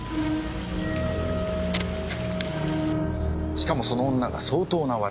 しかもその女が相当なワルで。